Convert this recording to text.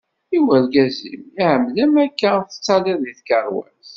I urgaz-im? iɛemmed-am akka ad tettalliḍ di tkerwas?